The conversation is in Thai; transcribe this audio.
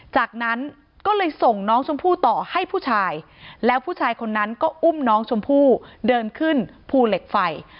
จากนั้นก็เลยส่งน้องชมพู่ต่อให้ผู้ชายแล้วผู้ชายคนนั้นก็อุ้มน้องชมพู่เดินขึ้นภูเหล็กไฟ